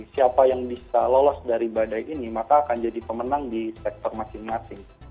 siapa yang bisa lolos dari badai ini maka akan jadi pemenang di sektor masing masing